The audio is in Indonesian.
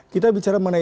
kita bicara mengenai